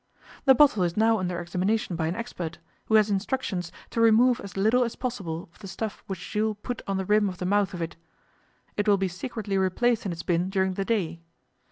'The bottle is now under examination by an expert, who has instructions to remove as little as possible of the stuff which Jules put on the rim of the mouth of it. It will be secretly replaced in its bin during the day.